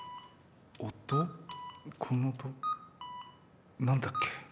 この音何だっけ？